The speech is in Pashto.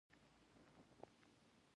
اشاري نومځري اشخاصو او څیزونو ته اشاره کوي.